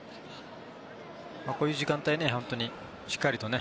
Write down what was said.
こういう時間帯、本当にしっかりとね。